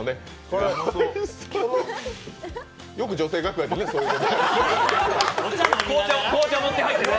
よく女性楽屋でそうやってね。